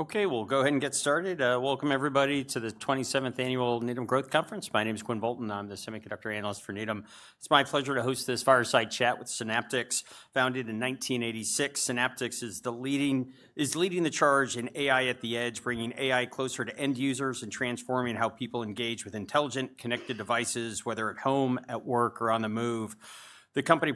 Okay, we'll go ahead and get started. Welcome, everybody, to the 27th Annual Needham & Company Growth Conference. My name is Quinn Bolton, and I'm the semiconductor analyst for Needham. It's my pleasure to host this fireside chat with Synaptics, founded in 1986. Synaptics is leading the charge in AI at the edge, bringing AI closer to end users and transforming how people engage with intelligent, connected devices, whether at home, at work, or on the move. The company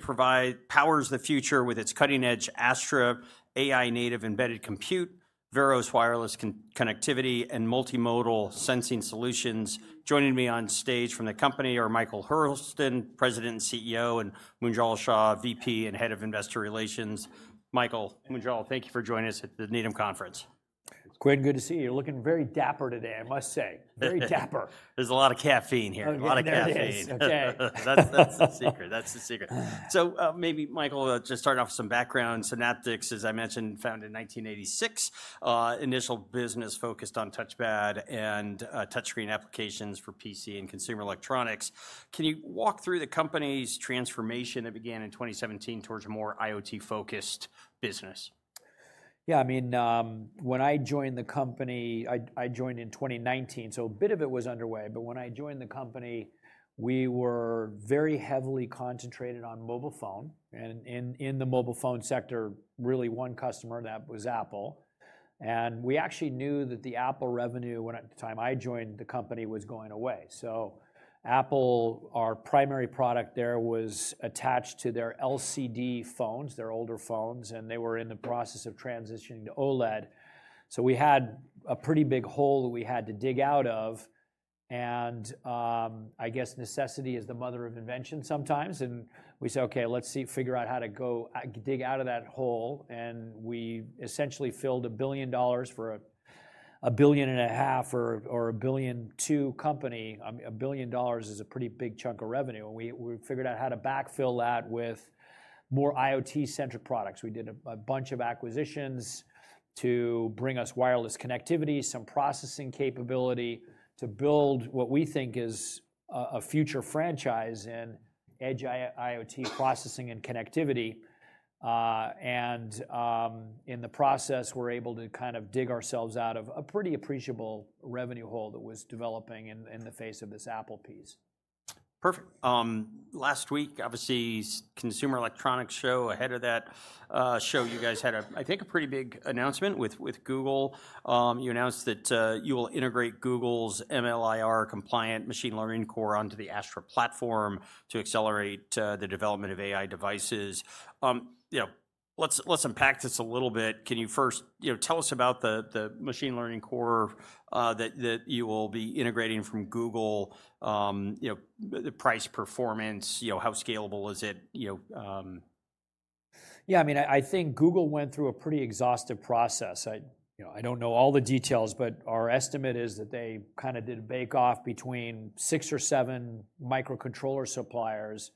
powers the future with its cutting-edge Astra AI native embedded compute, Veros wireless connectivity, and multimodal sensing solutions. Joining me on stage from the company are Michael Hurlston, President and CEO, and Munjal Shah, VP and Head of Investor Relations. Michael, Munjal, thank you for joining us at the Needham Conference. Quinn, good to see you. You're looking very dapper today, I must say. Very dapper. There's a lot of caffeine here. A lot of caffeine. Okay. That's the secret. That's the secret. So maybe, Michael, just starting off with some background. Synaptics, as I mentioned, founded in 1986. Initial business focused on touchpad and touchscreen applications for PC and consumer electronics. Can you walk through the company's transformation that began in 2017 towards a more IoT-focused business? Yeah, I mean, when I joined the company, I joined in 2019, so a bit of it was underway. But when I joined the company, we were very heavily concentrated on mobile phone. And in the mobile phone sector, really one customer that was Apple. And we actually knew that the Apple revenue at the time I joined the company was going away. So Apple, our primary product there, was attached to their LCD phones, their older phones, and they were in the process of transitioning to OLED. So we had a pretty big hole that we had to dig out of. And I guess necessity is the mother of invention sometimes. And we said, okay, let's figure out how to dig out of that hole. And we essentially filled $1 billion for a $1.5 billion or $1.2 billion company. $1 billion is a pretty big chunk of revenue. And we figured out how to backfill that with more IoT-centric products. We did a bunch of acquisitions to bring us wireless connectivity, some processing capability to build what we think is a future franchise in edge IoT processing and connectivity. And in the process, we're able to kind of dig ourselves out of a pretty appreciable revenue hole that was developing in the face of this Apple piece. Perfect. Last week, obviously, Consumer Electronics Show. Ahead of that show, you guys had, I think, a pretty big announcement with Google. You announced that you will integrate Google's MLIR-compliant machine learning core onto the Astra platform to accelerate the development of AI devices. Let's unpack this a little bit. Can you first tell us about the machine learning core that you will be integrating from Google? The price performance, how scalable is it? Yeah, I mean, I think Google went through a pretty exhaustive process. I don't know all the details, but our estimate is that they kind of did a bake-off between six or seven microcontroller suppliers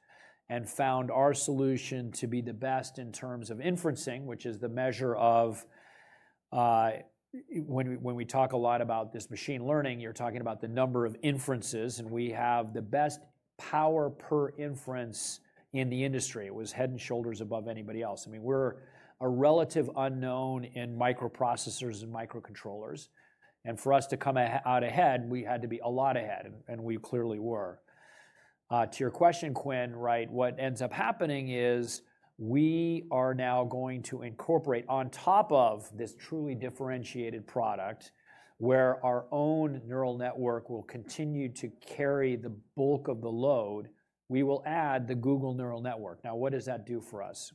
and found our solution to be the best in terms of inferencing, which is the measure of when we talk a lot about this machine learning, you're talking about the number of inferences. And we have the best power per inference in the industry. It was head and shoulders above anybody else. I mean, we're a relative unknown in microprocessors and microcontrollers. And for us to come out ahead, we had to be a lot ahead. And we clearly were. To your question, Quinn, right, what ends up happening is we are now going to incorporate, on top of this truly differentiated product, where our own neural network will continue to carry the bulk of the load, we will add the Google neural network. Now, what does that do for us?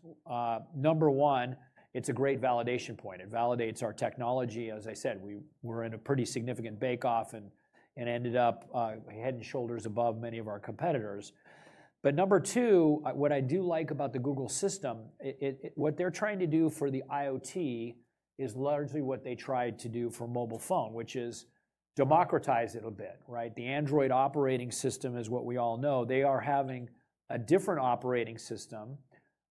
Number one, it's a great validation point. It validates our technology. As I said, we were in a pretty significant bake-off and ended up head and shoulders above many of our competitors. But number two, what I do like about the Google system, what they're trying to do for the IoT is largely what they tried to do for mobile phone, which is democratize it a bit, right? The Android operating system is what we all know. They are having a different operating system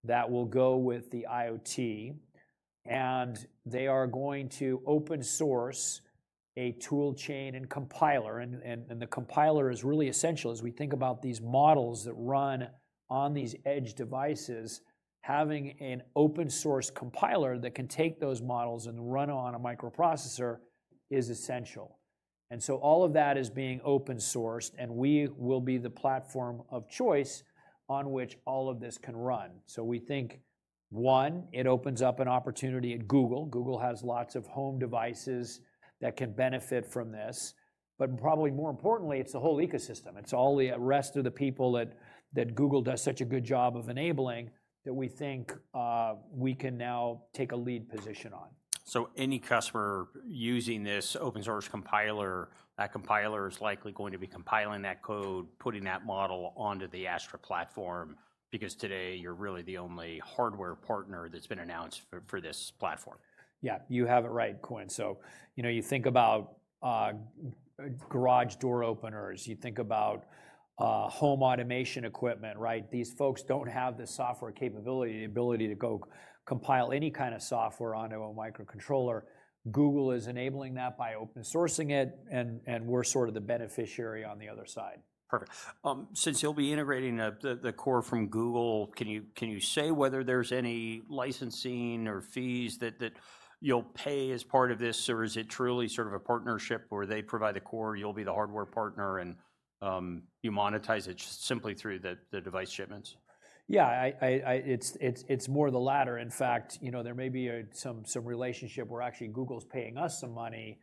that will go with the IoT. They are going to open source a toolchain and compiler. The compiler is really essential as we think about these models that run on these edge devices. Having an open source compiler that can take those models and run on a microprocessor is essential. All of that is being open sourced. We will be the platform of choice on which all of this can run. We think, one, it opens up an opportunity at Google. Google has lots of home devices that can benefit from this. But probably more importantly, it's the whole ecosystem. It's all the rest of the people that Google does such a good job of enabling that we think we can now take a lead position on. Any customer using this open source compiler, that compiler is likely going to be compiling that code, putting that model onto the Astra platform, because today you're really the only hardware partner that's been announced for this platform. Yeah, you have it right, Quinn. So you think about garage door openers. You think about home automation equipment, right? These folks don't have the software capability, the ability to go compile any kind of software onto a microcontroller. Google is enabling that by open sourcing it. And we're sort of the beneficiary on the other side. Perfect. Since you'll be integrating the core from Google, can you say whether there's any licensing or fees that you'll pay as part of this? Or is it truly sort of a partnership where they provide the core, you'll be the hardware partner, and you monetize it simply through the device shipments? Yeah, it's more of the latter. In fact, there may be some relationship where actually Google's paying us some money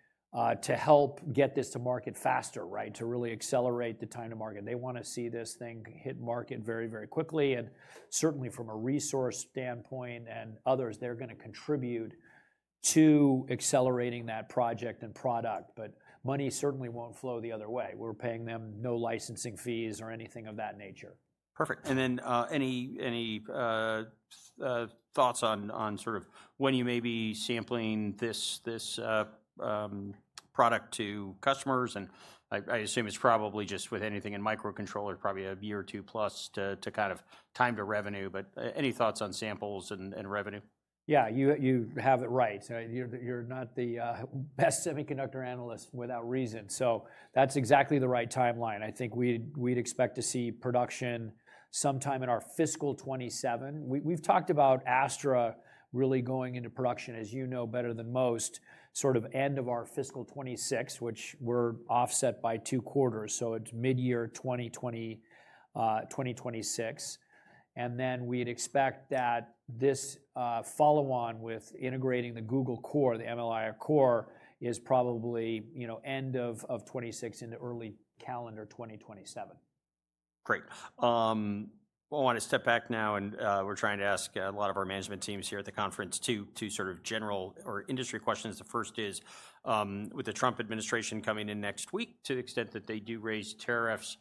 to help get this to market faster, right, to really accelerate the time to market. They want to see this thing hit market very, very quickly. And certainly from a resource standpoint and others, they're going to contribute to accelerating that project and product. But money certainly won't flow the other way. We're paying them no licensing fees or anything of that nature. Perfect. And then any thoughts on sort of when you may be sampling this product to customers? And I assume it's probably just with anything in microcontroller, probably a year or two plus to kind of time to revenue. But any thoughts on samples and revenue? Yeah, you have it right. You're not the best semiconductor analyst without reason. So that's exactly the right timeline. I think we'd expect to see production sometime in our fiscal 2027. We've talked about Astra really going into production, as you know better than most, sort of end of our fiscal 2026, which we're offset by two quarters. So it's mid-year 2026. And then we'd expect that this follow-on with integrating the Google core, the MLIR core, is probably end of 2026 into early calendar 2027. Great. I want to step back now, and we're trying to ask a lot of our management teams here at the conference to sort of general or industry questions. The first is, with the Trump administration coming in next week, to the extent that they do raise tariffs,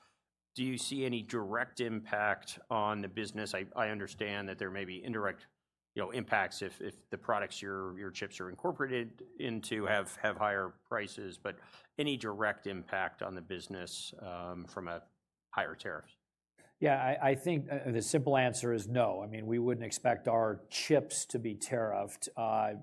do you see any direct impact on the business? I understand that there may be indirect impacts if the products your chips are incorporated into have higher prices, but any direct impact on the business from a higher tariff? Yeah, I think the simple answer is no. I mean, we wouldn't expect our chips to be tariffed.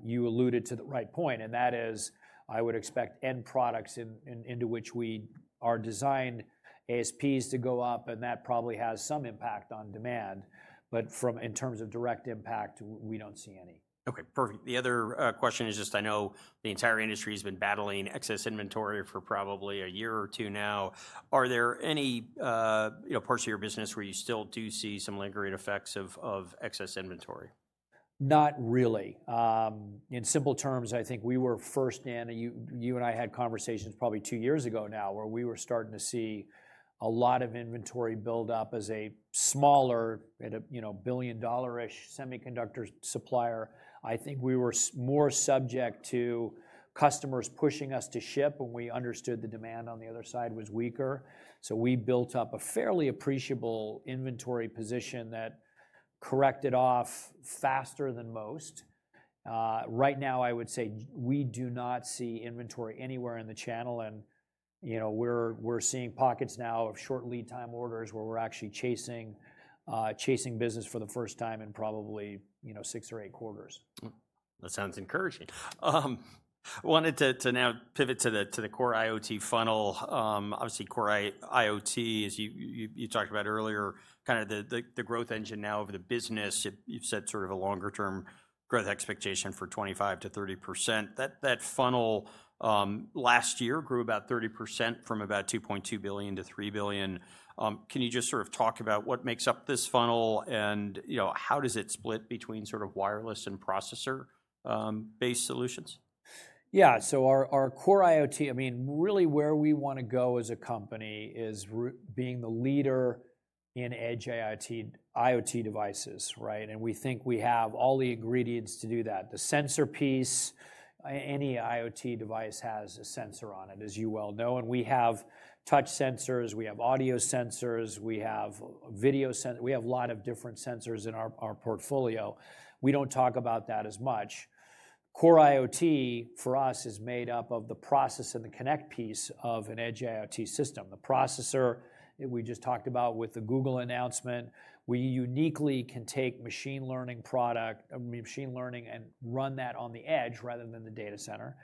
You alluded to the right point, and that is, I would expect end products into which we are designed, ASPs, to go up, and that probably has some impact on demand, but in terms of direct impact, we don't see any. Okay, perfect. The other question is just, I know the entire industry has been battling excess inventory for probably a year or two now. Are there any parts of your business where you still do see some lingering effects of excess inventory? Not really. In simple terms, I think we were first in, and you and I had conversations probably two years ago now, where we were starting to see a lot of inventory buildup as a smaller billion-dollar-ish semiconductor supplier. I think we were more subject to customers pushing us to ship when we understood the demand on the other side was weaker. So we built up a fairly appreciable inventory position that corrected off faster than most. Right now, I would say we do not see inventory anywhere in the channel. And we're seeing pockets now of short lead time orders where we're actually chasing business for the first time in probably six or eight quarters. That sounds encouraging. I wanted to now pivot to the Core IoT funnel. Obviously, Core IoT, as you talked about earlier, kind of the growth engine now of the business. You've set sort of a longer-term growth expectation for 25%-30%. That funnel last year grew about 30% from about $2.2 billion-$3 billion. Can you just sort of talk about what makes up this funnel? And how does it split between sort of wireless and processor-based solutions? Yeah, so our Core IoT, I mean, really where we want to go as a company is being the leader in edge IoT devices, right? And we think we have all the ingredients to do that. The sensor piece, any IoT device has a sensor on it, as you well know. And we have touch sensors. We have audio sensors. We have video sensors. We have a lot of different sensors in our portfolio. We don't talk about that as much. Core IoT, for us, is made up of the processor and the connect piece of an edge IoT system. The processor, we just talked about with the Google announcement, we uniquely can take machine learning and run that on the edge rather than the data center.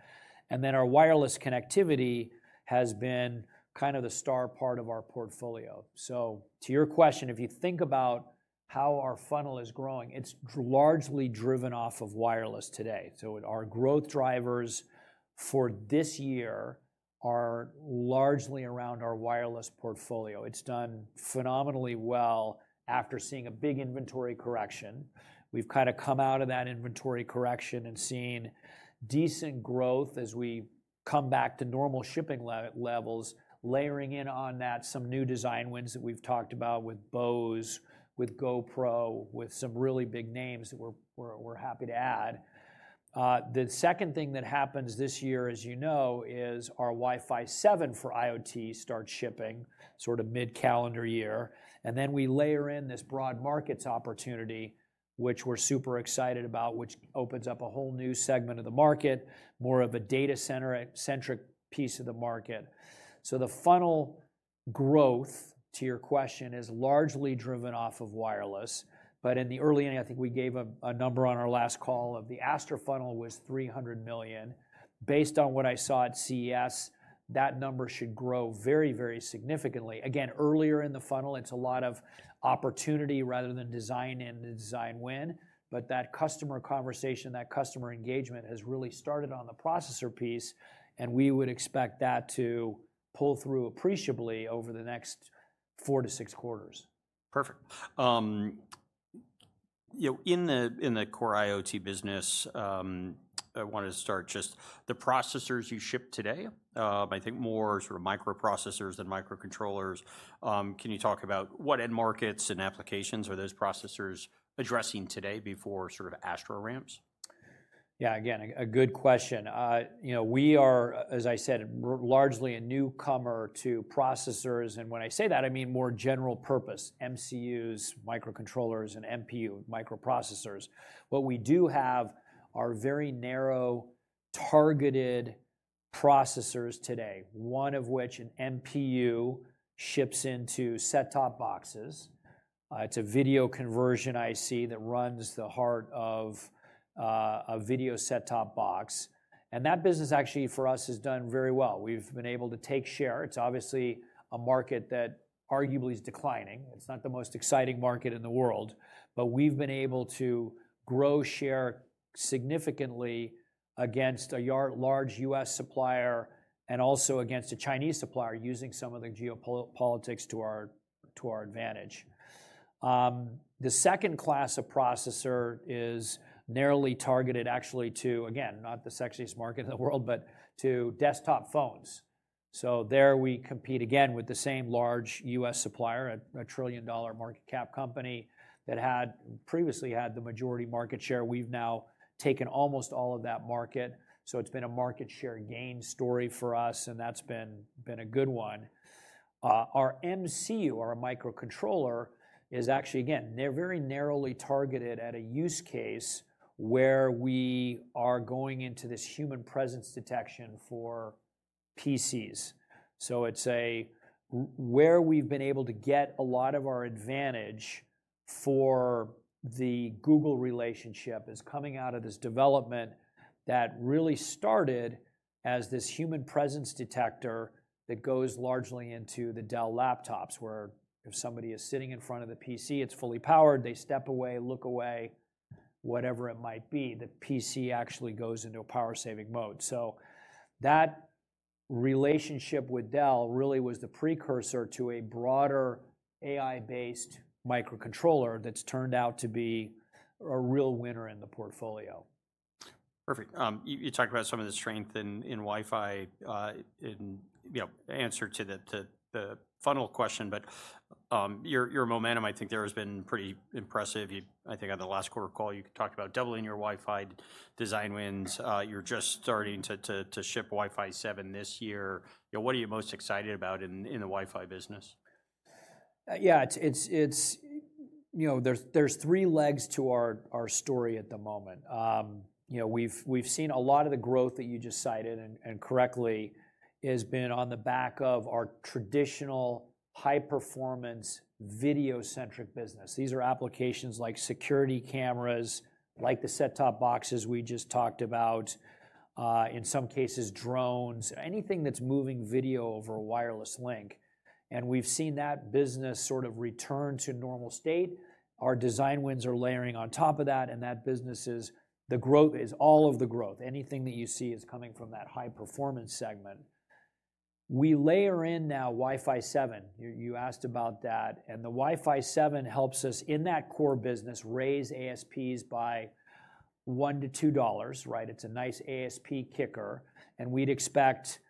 And then our wireless connectivity has been kind of the star part of our portfolio. So to your question, if you think about how our funnel is growing, it's largely driven off of wireless today. So our growth drivers for this year are largely around our wireless portfolio. It's done phenomenally well after seeing a big inventory correction. We've kind of come out of that inventory correction and seen decent growth as we come back to normal shipping levels, layering in on that some new design wins that we've talked about with Bose, with GoPro, with some really big names that we're happy to add. The second thing that happens this year, as you know, is our Wi-Fi 7 for IoT starts shipping sort of mid-calendar year. And then we layer in this broad markets opportunity, which we're super excited about, which opens up a whole new segment of the market, more of a data center-centric piece of the market. The funnel growth, to your question, is largely driven off of wireless. But in the early, I think we gave a number on our last call of the Astra funnel was $300 million. Based on what I saw at CES, that number should grow very, very significantly. Again, earlier in the funnel, it's a lot of opportunity rather than design in and design win. But that customer conversation, that customer engagement has really started on the processor piece. And we would expect that to pull through appreciably over the next four to six quarters. Perfect. In the Core IoT business, I wanted to start just the processors you ship today, I think more sort of microprocessors than microcontrollers. Can you talk about what end markets and applications are those processors addressing today before sort of Astra ramps? Yeah, again, a good question. We are, as I said, largely a newcomer to processors. And when I say that, I mean more general purpose, MCUs, microcontrollers, and MPU, microprocessors. What we do have are very narrow targeted processors today, one of which an MPU ships into set-top boxes. It's a video conversion IC that runs the heart of a video set-top box. And that business actually for us has done very well. We've been able to take share. It's obviously a market that arguably is declining. It's not the most exciting market in the world. But we've been able to grow share significantly against a large U.S. supplier and also against a Chinese supplier using some of the geopolitics to our advantage. The second class of processor is narrowly targeted actually to, again, not the sexiest market in the world, but to desktop phones. So there we compete again with the same large U.S. supplier, a trillion-dollar market cap company that had previously had the majority market share. We've now taken almost all of that market. So it's been a market share gain story for us. And that's been a good one. Our MCU, our microcontroller, is actually, again, very narrowly targeted at a use case where we are going into this human presence detection for PCs. So it's where we've been able to get a lot of our advantage, for the Google relationship, is coming out of this development that really started as this human presence detector that goes largely into the Dell laptops, where if somebody is sitting in front of the PC, it's fully powered. They step away, look away, whatever it might be. The PC actually goes into a power-saving mode. So that relationship with Dell really was the precursor to a broader AI-based microcontroller that's turned out to be a real winner in the portfolio. Perfect. You talked about some of the strength in Wi-Fi in answer to the funnel question. But your momentum, I think, there has been pretty impressive. I think on the last core call, you talked about doubling your Wi-Fi design wins. You're just starting to ship Wi-Fi 7 this year. What are you most excited about in the Wi-Fi business? Yeah, there's three legs to our story at the moment. We've seen a lot of the growth that you just cited and correctly has been on the back of our traditional high-performance video centric business. These are applications like security cameras, like the set-top boxes we just talked about, in some cases drones, anything that's moving video over a wireless link, and we've seen that business sort of return to normal state. Our design wins are layering on top of that, and that business is all of the growth. Anything that you see is coming from that high-performance segment. We layer in now Wi-Fi 7. You asked about that, and the Wi-Fi 7 helps us in that core business raise ASPs by $1-$2, right? It's a nice ASP kicker. And we'd expect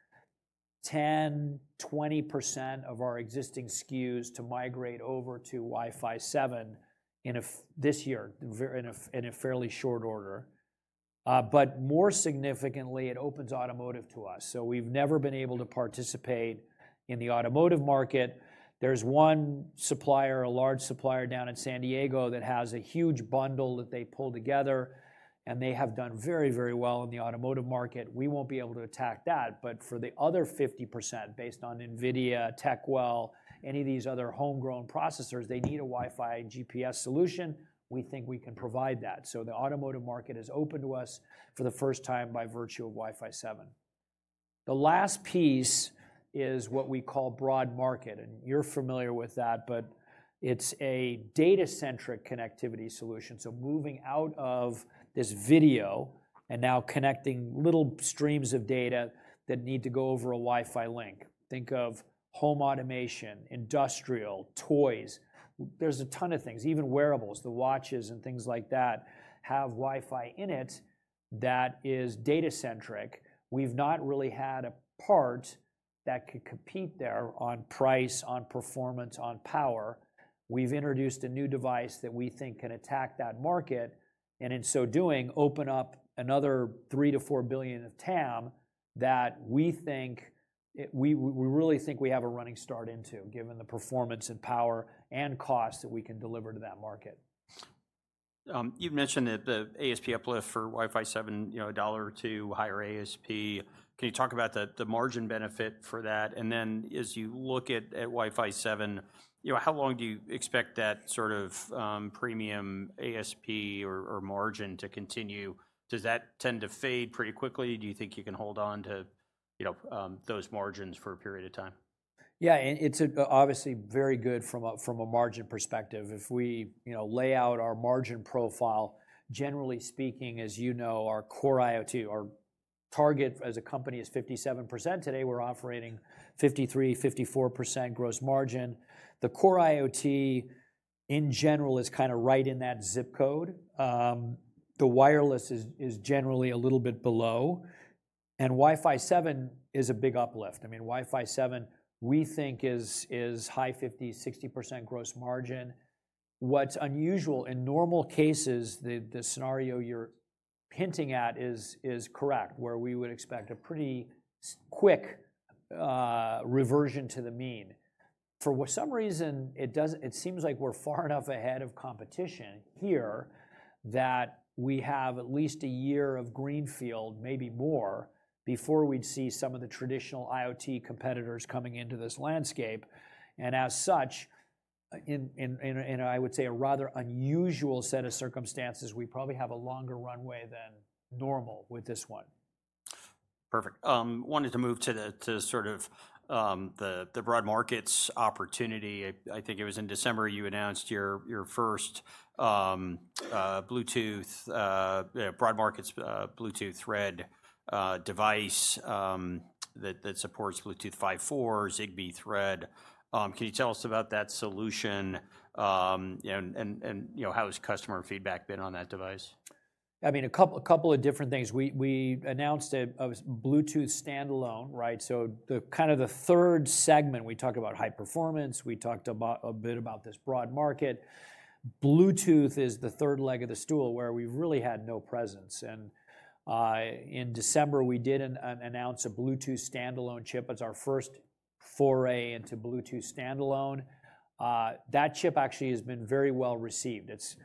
10%-20% of our existing SKUs to migrate over to Wi-Fi 7 this year in a fairly short order. But more significantly, it opens automotive to us. So we've never been able to participate in the automotive market. There's one supplier, a large supplier down in San Diego that has a huge bundle that they pull together. And they have done very, very well in the automotive market. We won't be able to attack that. But for the other 50%, based on NVIDIA, TechWell, any of these other homegrown processors, they need a Wi-Fi and GPS solution. We think we can provide that. So the automotive market is open to us for the first time by virtue of Wi-Fi 7. The last piece is what we call broad market. And you're familiar with that. But it's a data-centric connectivity solution. Moving out of this video and now connecting little streams of data that need to go over a Wi-Fi link. Think of home automation, industrial, toys. There's a ton of things, even wearables, the watches and things like that have Wi-Fi in it that is data-centric. We've not really had a part that could compete there on price, on performance, on power. We've introduced a new device that we think can attack that market. In so doing, open up another three to four billion of TAM that we think we really think we have a running start into given the performance and power and cost that we can deliver to that market. You've mentioned that the ASP uplift for Wi-Fi 7, a dollar or two higher ASP. Can you talk about the margin benefit for that? And then as you look at Wi-Fi 7, how long do you expect that sort of premium ASP or margin to continue? Does that tend to fade pretty quickly? Do you think you can hold on to those margins for a period of time? Yeah, and it's obviously very good from a margin perspective. If we lay out our margin profile, generally speaking, as you know, our Core IoT, our target as a company is 57% today. We're operating 53%, 54% gross margin. The Core IoT, in general, is kind of right in that zip code. The wireless is generally a little bit below. And Wi-Fi 7 is a big uplift. I mean, Wi-Fi 7, we think, is high 50%, 60% gross margin. What's unusual in normal cases, the scenario you're hinting at is correct, where we would expect a pretty quick reversion to the mean. For some reason, it seems like we're far enough ahead of competition here that we have at least a year of greenfield, maybe more, before we'd see some of the traditional IoT competitors coming into this landscape. As such, in, I would say, a rather unusual set of circumstances, we probably have a longer runway than normal with this one. Perfect. I wanted to move to sort of the broad markets opportunity. I think it was in December you announced your first Bluetooth broad markets Bluetooth Thread device that supports Bluetooth 5.4, Zigbee, Thread. Can you tell us about that solution and how has customer feedback been on that device? I mean, a couple of different things. We announced it as Bluetooth standalone, right? So kind of the third segment, we talked about high performance. We talked a bit about this broad market. Bluetooth is the third leg of the stool where we've really had no presence, and in December, we did announce a Bluetooth standalone chip as our first foray into Bluetooth standalone. That chip actually has been very well received. It's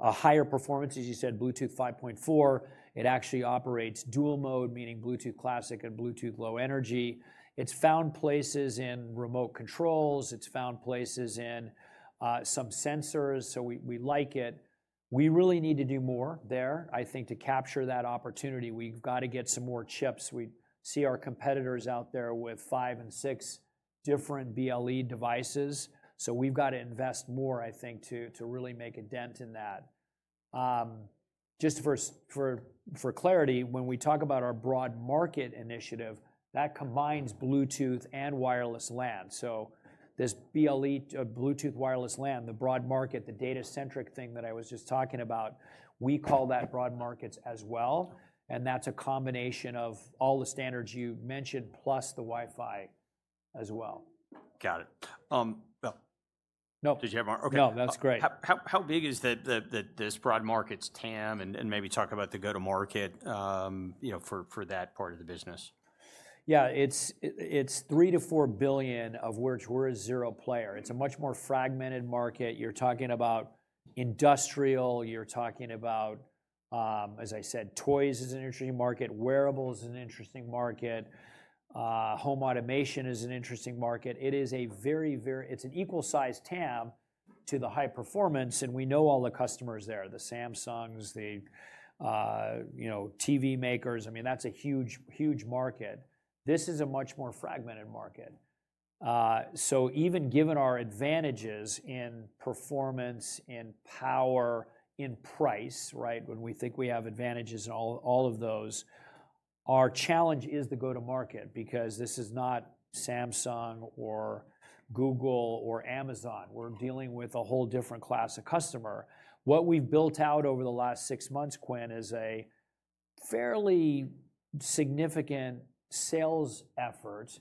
a higher performance, as you said, Bluetooth 5.4. It actually operates dual mode, meaning Bluetooth Classic and Bluetooth Low Energy. It's found places in remote controls. It's found places in some sensors, so we like it. We really need to do more there, I think, to capture that opportunity. We've got to get some more chips. We see our competitors out there with five and six different BLE devices. So we've got to invest more, I think, to really make a dent in that. Just for clarity, when we talk about our broad market initiative, that combines Bluetooth and wireless LAN. So this BLE, Bluetooth wireless LAN, the broad market, the data-centric thing that I was just talking about, we call that broad markets as well. And that's a combination of all the standards you mentioned plus the Wi-Fi as well. Got it. No. Did you have more? OK. No, that's great. How big is this broad markets TAM and maybe talk about the go-to-market for that part of the business? Yeah, it's three to four billion of which we're a zero player. It's a much more fragmented market. You're talking about industrial. You're talking about, as I said, toys is an interesting market. Wearables is an interesting market. Home automation is an interesting market. It is a very, very. It's an equal size TAM to the high performance. And we know all the customers there, the Samsungs, the TV makers. I mean, that's a huge, huge market. This is a much more fragmented market. So even given our advantages in performance, in power, in price, right, when we think we have advantages in all of those, our challenge is the go-to-market because this is not Samsung or Google or Amazon. We're dealing with a whole different class of customer. What we've built out over the last six months, Quinn, is a fairly significant sales effort,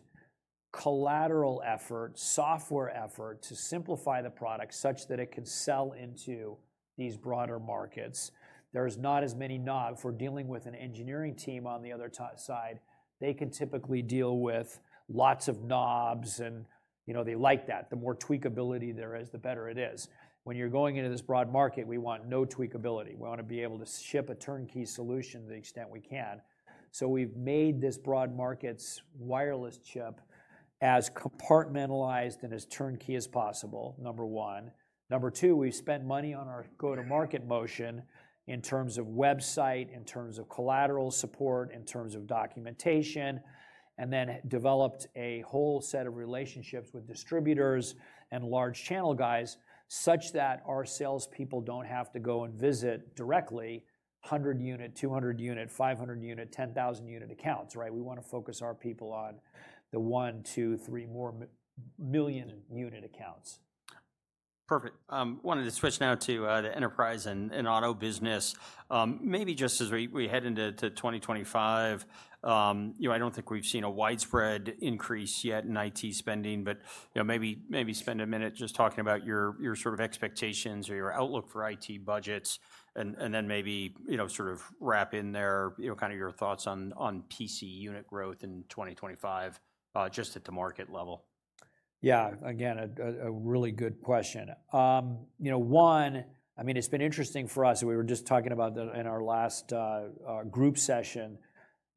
collateral effort, software effort to simplify the product such that it can sell into these broader markets. There's not as many knobs. If we're dealing with an engineering team on the other side, they can typically deal with lots of knobs. And they like that. The more tweakability there is, the better it is. When you're going into this broad market, we want no tweakability. We want to be able to ship a turnkey solution to the extent we can. So we've made this broad markets wireless chip as compartmentalized and as turnkey as possible, number one. Number two, we've spent money on our go-to-market motion in terms of website, in terms of collateral support, in terms of documentation, and then developed a whole set of relationships with distributors and large channel guys such that our salespeople don't have to go and visit directly 100 unit, 200 unit, 500 unit, 10,000 unit accounts, right? We want to focus our people on the one, two, three more million unit accounts. Perfect. I wanted to switch now to the enterprise and auto business. Maybe just as we head into 2025, I don't think we've seen a widespread increase yet in IT spending, but maybe spend a minute just talking about your sort of expectations or your outlook for IT budgets, and then maybe sort of wrap in there kind of your thoughts on PC unit growth in 2025 just at the market level. Yeah, again, a really good question. One, I mean, it's been interesting for us. We were just talking about in our last group session.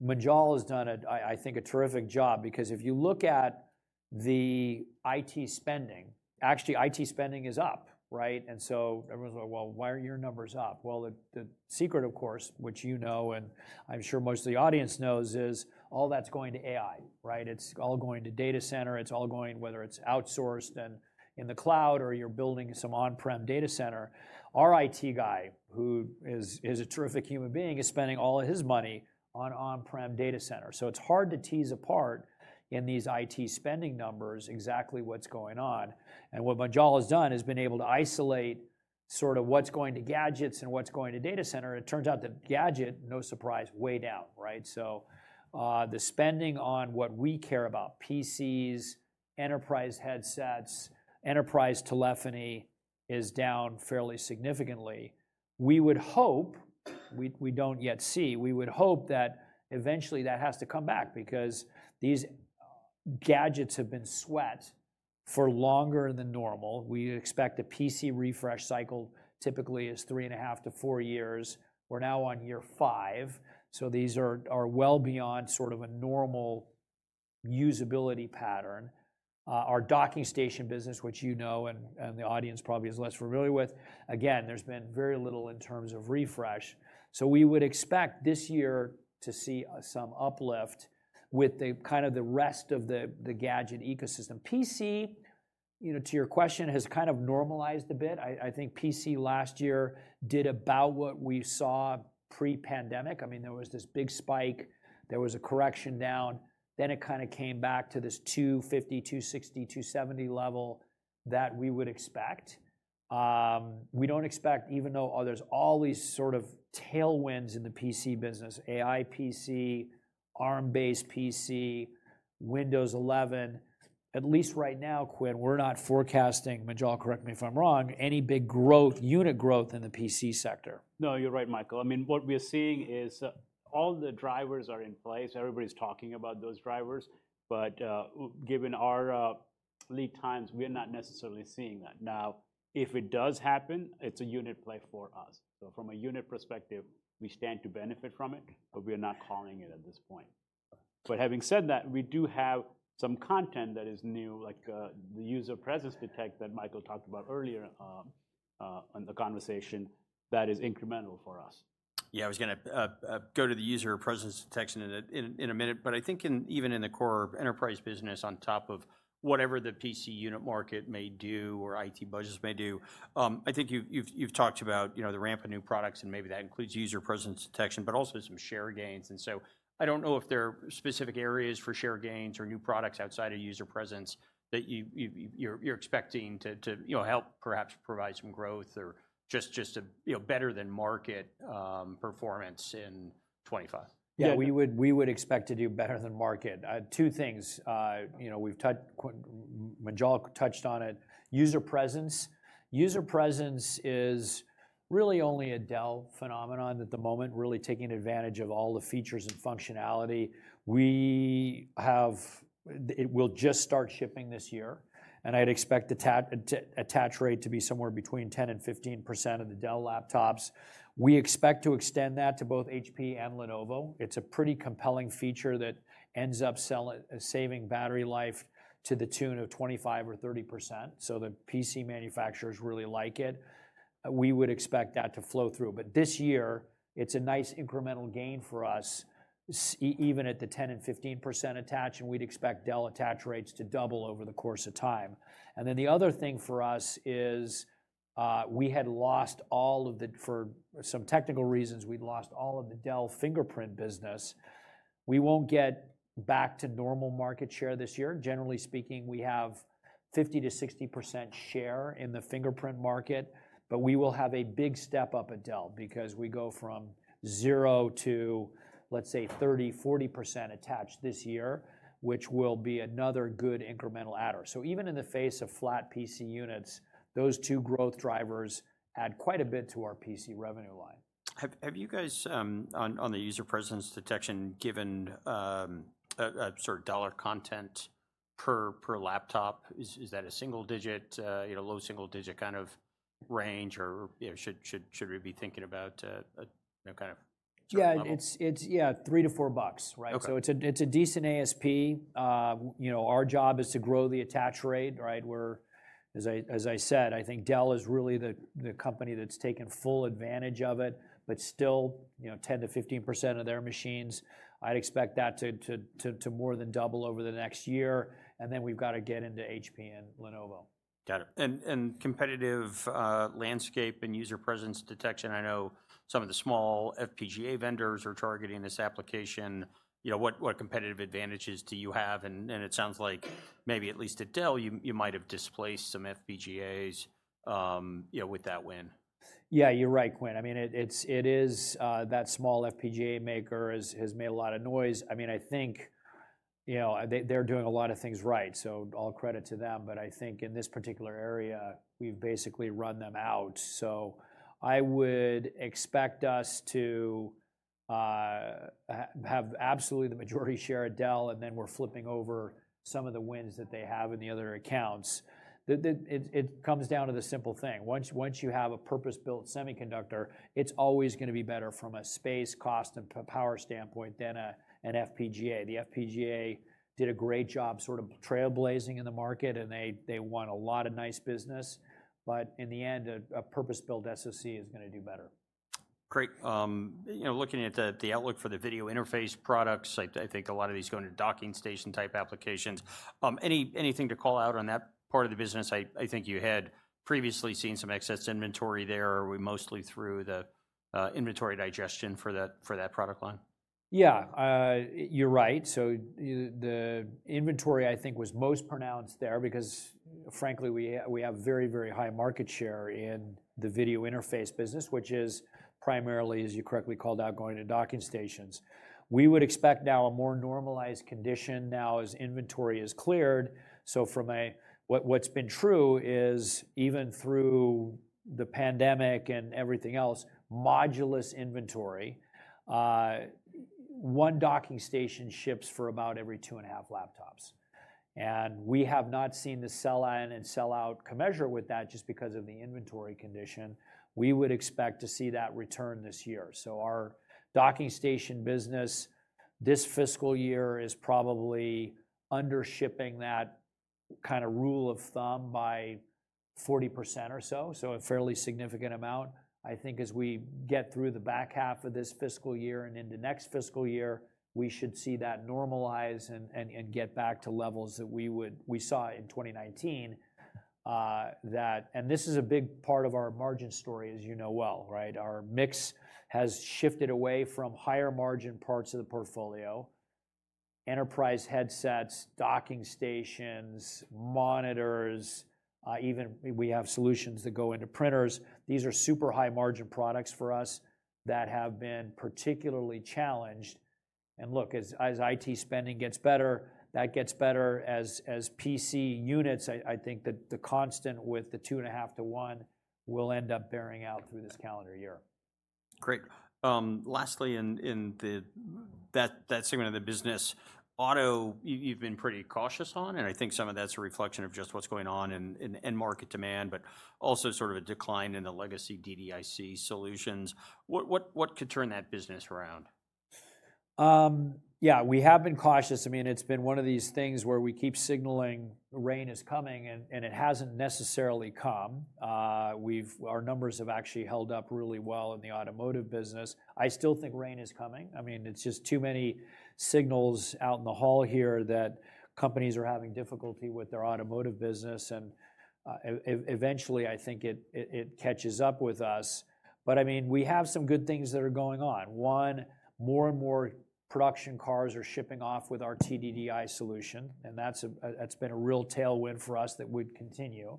Munjal has done, I think, a terrific job because if you look at the IT spending, actually IT spending is up, right? And so everyone's like, well, why are your numbers up? Well, the secret, of course, which you know and I'm sure most of the audience knows, is all that's going to AI, right? It's all going to data center. It's all going, whether it's outsourced and in the cloud or you're building some on-prem data center. Our IT guy, who is a terrific human being, is spending all of his money on on-prem data center. So it's hard to tease apart in these IT spending numbers exactly what's going on. What Munjal has done is been able to isolate sort of what's going to gadgets and what's going to data center. It turns out the gadget, no surprise, is way down, right? The spending on what we care about, PCs, enterprise headsets, enterprise telephony is down fairly significantly. We would hope we don't yet see. We would hope that eventually that has to come back because these gadgets have been kept for longer than normal. We expect a PC refresh cycle typically is three and a half to four years. We're now on year five. These are well beyond sort of a normal usability pattern. Our docking station business, which you know and the audience probably is less familiar with, again, there's been very little in terms of refresh. So we would expect this year to see some uplift with kind of the rest of the gadget ecosystem. PC, to your question, has kind of normalized a bit. I think PC last year did about what we saw pre-pandemic. I mean, there was this big spike. There was a correction down. Then it kind of came back to this 250, 260, 270 level that we would expect. We don't expect, even though there's all these sort of tailwinds in the PC business, AI PC, ARM-based PC, Windows 11. At least right now, Quinn, we're not forecasting, Munjal, correct me if I'm wrong, any big growth, unit growth in the PC sector. No, you're right, Michael. I mean, what we're seeing is all the drivers are in place. Everybody's talking about those drivers. But given our lead times, we're not necessarily seeing that. Now, if it does happen, it's a unit play for us. So from a unit perspective, we stand to benefit from it. But we're not calling it at this point. But having said that, we do have some content that is new, like the user presence detection that Michael talked about earlier in the conversation that is incremental for us. Yeah, I was going to go to the user presence detection in a minute. But I think even in the core enterprise business, on top of whatever the PC unit market may do or IT budgets may do, I think you've talked about the ramp of new products. And maybe that includes user presence detection, but also some share gains. And so I don't know if there are specific areas for share gains or new products outside of user presence that you're expecting to help perhaps provide some growth or just better than market performance in 2025. Yeah, we would expect to do better than market. Two things. Munjal touched on it. User presence. User presence is really only a Dell phenomenon at the moment, really taking advantage of all the features and functionality. We'll just start shipping this year, and I'd expect the attach rate to be somewhere between 10% and 15% of the Dell laptops. We expect to extend that to both HP and Lenovo. It's a pretty compelling feature that ends up saving battery life to the tune of 25% or 30%, so the PC manufacturers really like it. We would expect that to flow through, but this year, it's a nice incremental gain for us, even at the 10% and 15% attach. We'd expect Dell attach rates to double over the course of time. And then the other thing for us is we had lost all of the, for some technical reasons, we'd lost all of the Dell fingerprint business. We won't get back to normal market share this year. Generally speaking, we have 50% to 60% share in the fingerprint market. But we will have a big step up at Dell because we go from zero to, let's say, 30%, 40% attach this year, which will be another good incremental adder. So even in the face of flat PC units, those two growth drivers add quite a bit to our PC revenue line. Have you guys, on the user presence detection, given a sort of dollar content per laptop, is that a single digit, low single digit kind of range, or should we be thinking about kind of? Yeah, it's $3-$4, right? So it's a decent ASP. Our job is to grow the attach rate, right? As I said, I think Dell is really the company that's taken full advantage of it, but still 10%-15% of their machines. I'd expect that to more than double over the next year, and then we've got to get into HP and Lenovo. Got it. And competitive landscape and user presence detection, I know some of the small FPGA vendors are targeting this application. What competitive advantages do you have? And it sounds like maybe at least at Dell, you might have displaced some FPGAs with that win. Yeah, you're right, Quinn. I mean, it is, that small FPGA maker has made a lot of noise. I mean, I think they're doing a lot of things right. So all credit to them. But I think in this particular area, we've basically run them out. So I would expect us to have absolutely the majority share at Dell. And then we're flipping over some of the wins that they have in the other accounts. It comes down to the simple thing. Once you have a purpose-built semiconductor, it's always going to be better from a space, cost, and power standpoint than an FPGA. The FPGA did a great job sort of trailblazing in the market. And they won a lot of nice business. But in the end, a purpose-built SoC is going to do better. Great. Looking at the outlook for the video interface products, I think a lot of these go into docking station type applications. Anything to call out on that part of the business? I think you had previously seen some excess inventory there. Were we mostly through the inventory digestion for that product line? Yeah, you're right. So the inventory, I think, was most pronounced there because, frankly, we have very, very high market share in the video interface business, which is primarily, as you correctly called out, going to docking stations. We would expect now a more normalized condition now as inventory is cleared. So from what's been true is even through the pandemic and everything else, modulo inventory, one docking station ships for about every two and a half laptops. And we have not seen the sell in and sell out commensurate with that just because of the inventory condition. We would expect to see that return this year. So our docking station business this fiscal year is probably undershipping that kind of rule of thumb by 40% or so, so a fairly significant amount. I think as we get through the back half of this fiscal year and into next fiscal year, we should see that normalize and get back to levels that we saw in 2019. And this is a big part of our margin story, as you know well, right? Our mix has shifted away from higher margin parts of the portfolio, enterprise headsets, docking stations, monitors. Even we have solutions that go into printers. These are super high margin products for us that have been particularly challenged. And look, as IT spending gets better, that gets better. As PC units, I think that the constant with the two and a half to one will end up bearing out through this calendar year. Great. Lastly, in that segment of the business, auto you've been pretty cautious on. And I think some of that's a reflection of just what's going on in market demand, but also sort of a decline in the legacy DDIC solutions. What could turn that business around? Yeah, we have been cautious. I mean, it's been one of these things where we keep signaling rain is coming, and it hasn't necessarily come. Our numbers have actually held up really well in the automotive business. I still think rain is coming. I mean, it's just too many signals out in the hall here that companies are having difficulty with their automotive business. And eventually, I think it catches up with us. But I mean, we have some good things that are going on. One, more and more production cars are shipping off with our TDDI solution. And that's been a real tailwind for us that would continue.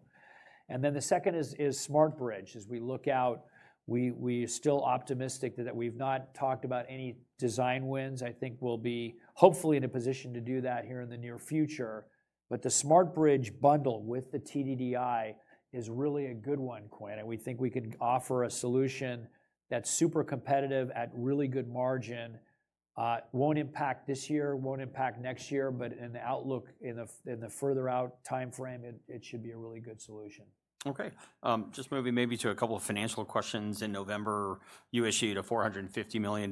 And then the second is SmartBridge. As we look out, we are still optimistic that we've not talked about any design wins. I think we'll be hopefully in a position to do that here in the near future. But the SmartBridge bundle with the TDDI is really a good one, Quinn. And we think we could offer a solution that's super competitive at really good margin. Won't impact this year, won't impact next year. But in the outlook in the further out time frame, it should be a really good solution. OK. Just moving maybe to a couple of financial questions. In November, you issued a $450 million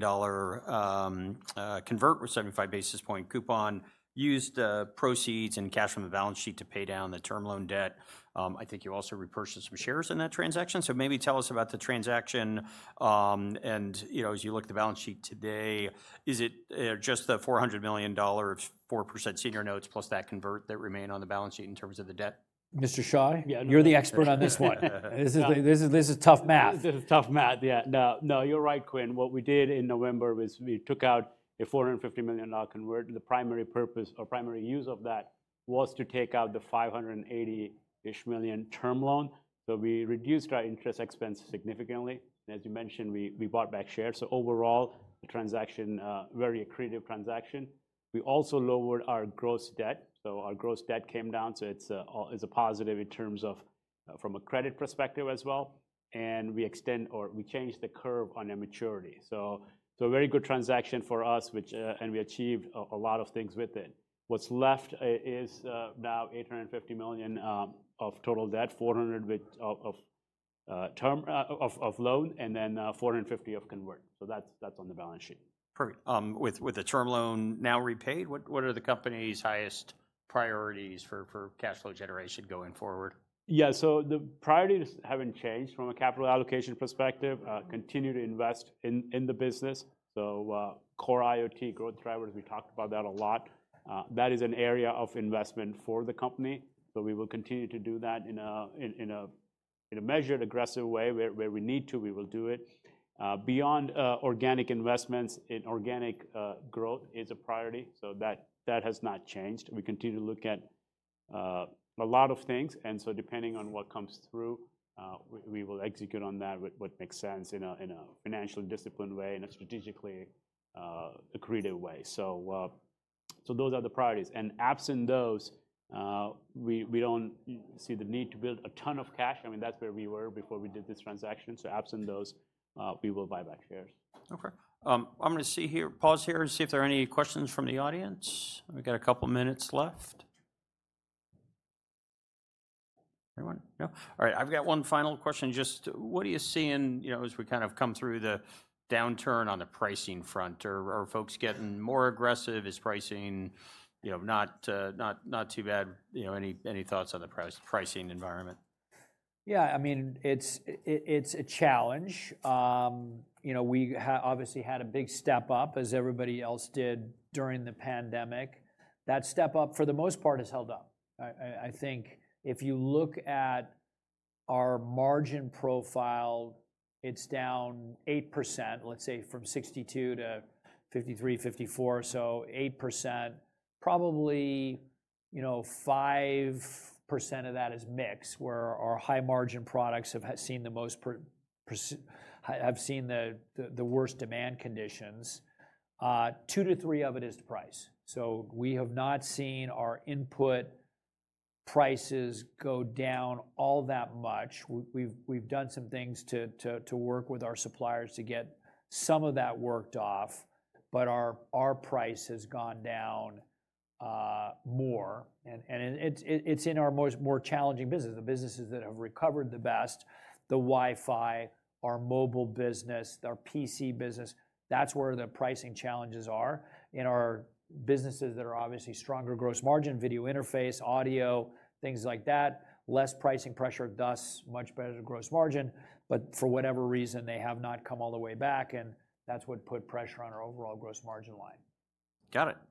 convert with 75 basis points coupon, used proceeds and cash from the balance sheet to pay down the term loan debt. I think you also repurchased some shares in that transaction. So maybe tell us about the transaction. And as you look at the balance sheet today, is it just the $400 million of 4% senior notes plus that convert that remain on the balance sheet in terms of the debt? Mr. Shah, you're the expert on this one. This is tough math. This is tough math, yeah. No, you're right, Quinn. What we did in November was we took out a $450 million convert. The primary purpose or primary use of that was to take out the $580-ish million term loan. So we reduced our interest expense significantly. And as you mentioned, we bought back shares. So overall, the transaction, very accretive transaction. We also lowered our gross debt. So our gross debt came down. So it's a positive in terms of from a credit perspective as well. And we extend or we changed the curve on a maturity. So a very good transaction for us, and we achieved a lot of things with it. What's left is now $850 million of total debt, $400 of loan, and then $450 of convert. So that's on the balance sheet. Perfect. With the term loan now repaid, what are the company's highest priorities for cash flow generation going forward? Yeah, so the priorities haven't changed from a capital allocation perspective. Continue to invest in the business. So Core IoT growth drivers, we talked about that a lot. That is an area of investment for the company. So we will continue to do that in a measured, aggressive way. Where we need to, we will do it. Beyond organic investments, organic growth is a priority. So that has not changed. We continue to look at a lot of things. And so depending on what comes through, we will execute on that with what makes sense in a financially disciplined way and a strategically accretive way. So those are the priorities. And absent those, we don't see the need to build a ton of cash. I mean, that's where we were before we did this transaction. So absent those, we will buy back shares. OK. I'm going to see here, pause here and see if there are any questions from the audience. We've got a couple of minutes left. Everyone? No? All right. I've got one final question. Just what are you seeing as we kind of come through the downturn on the pricing front? Are folks getting more aggressive? Is pricing not too bad? Any thoughts on the pricing environment? Yeah, I mean, it's a challenge. We obviously had a big step up, as everybody else did during the pandemic. That step up, for the most part, has held up. I think if you look at our margin profile, it's down 8%, let's say, from 62% to 53%-54%. So 8%. Probably 5% of that is mix, where our high margin products have seen the most, have seen the worst demand conditions. Two to three of it is the price. So we have not seen our input prices go down all that much. We've done some things to work with our suppliers to get some of that worked off. But our price has gone down more. And it's in our most challenging business. The businesses that have recovered the best, the Wi-Fi, our mobile business, our PC business, that's where the pricing challenges are. In our businesses that are obviously stronger gross margin, video interface, audio, things like that, less pricing pressure, thus much better gross margin. But for whatever reason, they have not come all the way back. And that's what put pressure on our overall gross margin line. Got it.